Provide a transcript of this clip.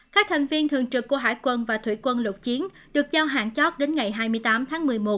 các thành viên thường trực của hải quân và thủy quân lục chiến được giao hạn chót đến ngày hai mươi tám tháng một mươi một